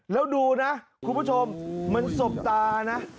แล้วดูนะคุณผู้ชมมันสบตานะ